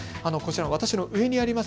私の上にあります